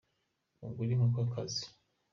Ugure inkoko kazi.